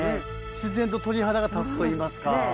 自然と鳥肌が立つと言いますか。